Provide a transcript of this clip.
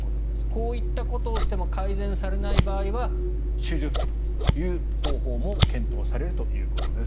こういったことをしても改善されない場合は手術という方法も検討されるということです。